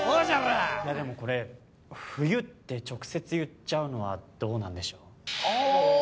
いやでもこれ「冬」って直接言っちゃうのはどうなんでしょう？